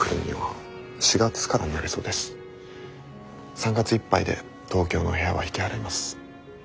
３月いっぱいで東京の部屋は引き払います。